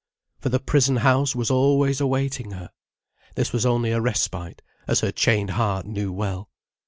For the prison house was always awaiting her! This was only a respite, as her chained heart knew well.